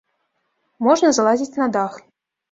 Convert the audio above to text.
Можна залазіць на дах.